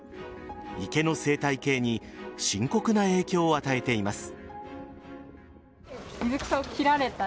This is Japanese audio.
池の生態系に深刻な影響を与えています。